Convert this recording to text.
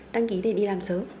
đăng ký để đi làm sớm